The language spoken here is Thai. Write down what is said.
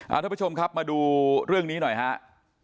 ท่านผู้ชมครับมาดูเรื่องนี้หน่อยครับ